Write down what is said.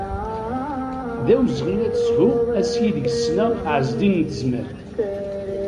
D awezɣi ad shuɣ ass ideg ssneɣ Ɛezdin n Tezmalt.